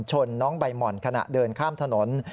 น้องใบหม่อนขณะเดินข้ามถนน